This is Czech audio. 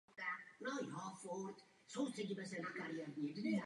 Stejně tak opakuji svůj návrh na vytvoření evropské ratingové agentury.